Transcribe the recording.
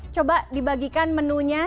coba dibagikan menunya